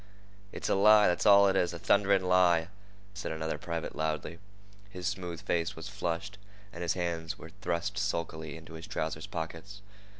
"It's a lie! that's all it is—a thunderin' lie!" said another private loudly. His smooth face was flushed, and his hands were thrust sulkily into his trouser's pockets.